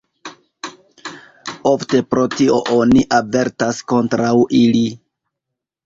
Ofte pro tio oni avertas kontraŭ ili.